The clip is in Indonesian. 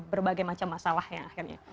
berbagai macam masalah yang akhirnya